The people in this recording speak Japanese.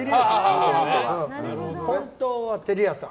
本当は照れ屋さん。